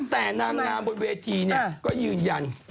แต่นางบนเวทีเนี่ยก็ยืนยัน